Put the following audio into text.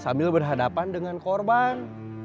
sambil berhadapan dengan korban